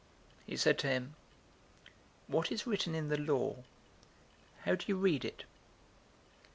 010:026 He said to him, "What is written in the law? How do you read it?"